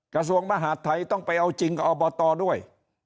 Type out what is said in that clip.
กระทรวงมหาดไทยต้องไปเอาจริงกับอบตด้วย